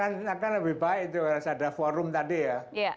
akan lebih baik kalau ada forum tadi ya